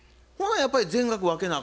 やっぱり全額分けなあ